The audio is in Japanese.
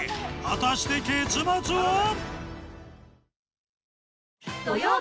果たして結末は？